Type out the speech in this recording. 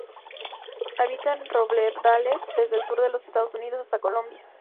Habitan en robledales, desde el sur de los Estados Unidos hasta Colombia.